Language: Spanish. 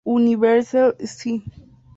Universelle Sci.